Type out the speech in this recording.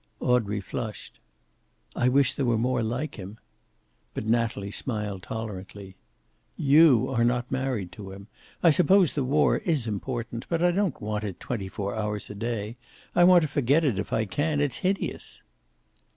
Audrey flushed. "I wish there were more like him." But Natalie smiled tolerantly. "You are not married to him. I suppose the war is important, but I don't want it twenty four hours a day. I want to forget it if I can. It's hideous."